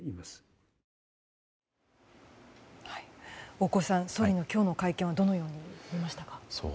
大越さん、今日の総理の会見をどのように見ましたか？